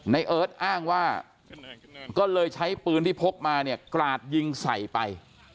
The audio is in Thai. ในเอิ้นด์อ้างว่าก็เลยใช้ปืนที่พกมายังกระหัดยิงใส่ไป